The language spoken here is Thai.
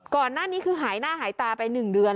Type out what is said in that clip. ก่อนหน้านี้คือหายหน้าหายตาไป๑เดือน